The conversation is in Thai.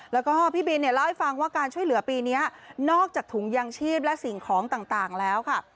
แล้วก็พี่บินเนี่ยเล่าให้ฟังว่าการช่วยเหลือปีนี้นอกจากถุงยางชีพและสิ่งของต่างแล้วค่ะ